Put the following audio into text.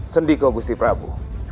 sendiko gusti pramu